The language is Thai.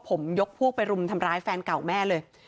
ผมยกพวกไปรุมทำร้ายแฟนเก่าแม่เลย